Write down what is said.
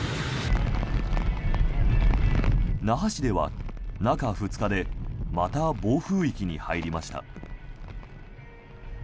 那覇市では中２日でまた暴風域に入りました。